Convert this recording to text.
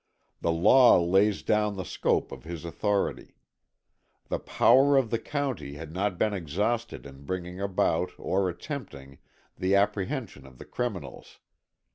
The law lays down the scope of his authority. The power of the county had not been exhausted in bringing about, or attempting, the apprehension of the criminals.